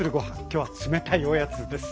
今日は冷たいおやつです。